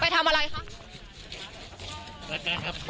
ทำอะไรคะ